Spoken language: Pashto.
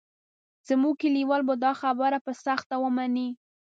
زموږ کلیوال به دا خبره په سخته ومني.